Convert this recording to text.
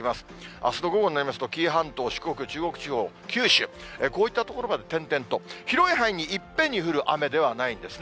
あすの午後になりますと、紀伊半島、四国、中国地方、九州、こういった所が点々と、広い範囲にいっぺんに降る雨ではないんですね。